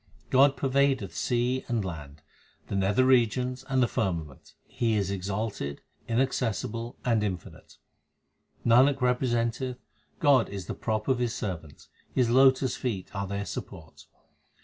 God pervadeth sea and land, the nether regions, and the firmament : He is exalted, inaccessible, and infinite. Nanak representeth, God is the prop of His servants : His lotus feet are their support.